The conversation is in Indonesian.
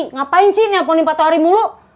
ngapain sih nelponin pak tohari mulu